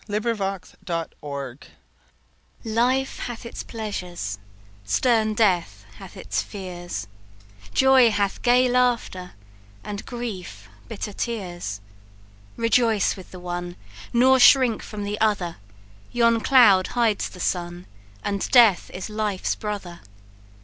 CHAPTER IV Amusements "Life hath its pleasures, stern Death hath its fears, Joy hath gay laughter, and Grief bitter tears; Rejoice with the one, nor shrink from the other, Yon cloud hides the sun, and death is life's brother!